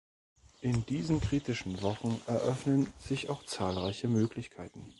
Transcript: In diesen kritischen Wochen eröffnen sich auch zahlreiche Möglichkeiten.